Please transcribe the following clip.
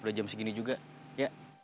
udah jam segini juga ya